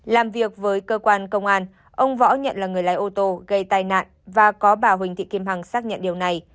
làm việc với cơ quan công an ông võ nhận là người lái ô tô gây tai nạn và có bà huỳnh thị kim hằng xác nhận điều này